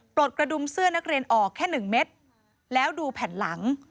กระดุมเสื้อนักเรียนออกแค่หนึ่งเม็ดแล้วดูแผ่นหลัง